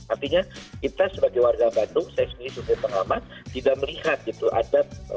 artinya kita sebagai warga bandung saya sendiri sudah lama tidak melihat gitu ada